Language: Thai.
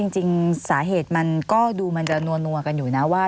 จริงสาเหตุมันก็ดูมันจะนัวกันอยู่นะว่า